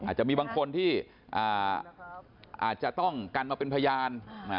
อาจจะมีบางคนที่อาจจะต้องกันมาเป็นพยาน